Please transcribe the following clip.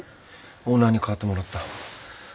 オーナーに代わってもらった。